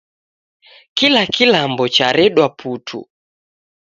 Kila kilambo charedwa putu